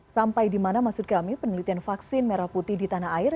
sampai di mana maksud kami penelitian vaksin merah putih di tanah air